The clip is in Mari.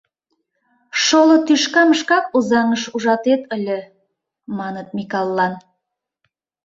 Шоло тӱшкам шкак Озаҥыш ужатет ыле, — маныт Микаллан.